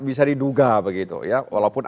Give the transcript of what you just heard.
bisa diduga begitu ya walaupun